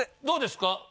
どうですか？